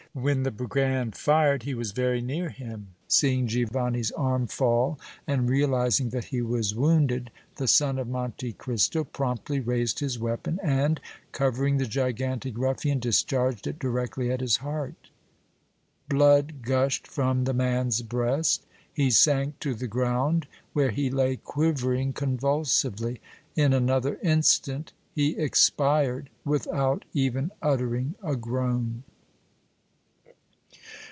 When the brigand fired he was very near him. Seeing Giovanni's arm fall and realizing that he was wounded, the son of Monte Cristo promptly raised his weapon and, covering the gigantic ruffian, discharged it directly at his heart. Blood gushed from the man's breast. He sank to the ground, where he lay quivering convulsively; in another instant he expired without even uttering a groan.